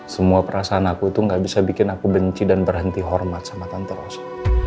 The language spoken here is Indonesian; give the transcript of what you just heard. semua perasaan aku tuh gak bisa bikin aku benci dan berhenti hormat sama tante ros